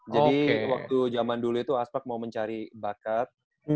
jadi waktu jaman dulu itu aspak mau mencari bakat